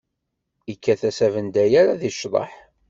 Ikkat-as abendayer ad icḍeḥ.